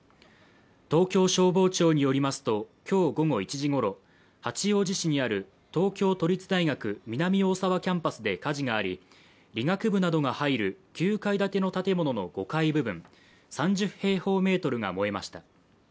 東京消防庁によりますと、今日午後１時ごろ、八王子市にある東京都立大学南大沢キャンパスで火事があり、理学部などが入る９階建ての建物の５階部分、３０平方メートルが燃えました。